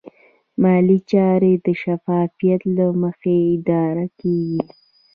مالي چارې د شفافیت له مخې اداره کېږي.